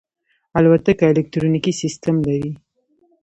الوتکه الکترونیکي سیستم لري.